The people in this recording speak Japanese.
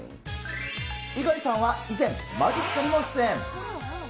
猪狩さんは以前、まじっすかにも出演。